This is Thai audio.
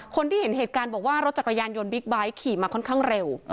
คนที่เห็นเหตุการณ์บอกว่ารถจักรยานยนต์บิ๊กไบท์ขี่มาค่อนข้างเร็ว